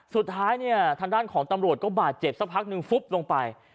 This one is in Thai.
สุดท้ายเนี่ยทางด้านของตำรวจก็บาดเจ็บสักพักหนึ่งฟุบลงไป